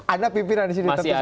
ada pimpinan disini